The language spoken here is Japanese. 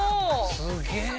すげえな。